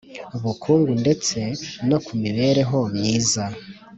Bukungu ndetse no ku mibereho myiza